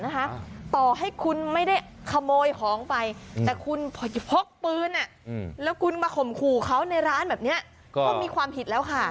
ต่อให้คุณไม่ได้ขโมยของไปแต่คุณพกปืนแล้วคุณมาข่มขู่เขาในร้านแบบนี้ก็มีความผิดแล้วค่ะ